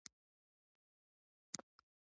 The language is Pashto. زوی یې وویل چټک نه سمه تللای